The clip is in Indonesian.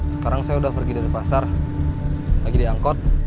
sekarang saya sudah pergi dari pasar lagi diangkut